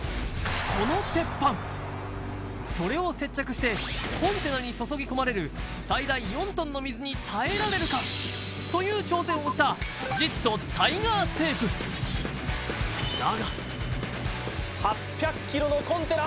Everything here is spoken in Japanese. この鉄板それを接着してコンテナに注ぎ込まれる最大４ｔの水に耐えられるかという挑戦をしただが８００ｋｇのコンテナ